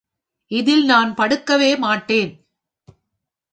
இதில் நான் படுக்கவே மாட்டேன்!